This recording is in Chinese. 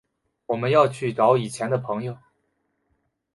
我们要去找以前的朋友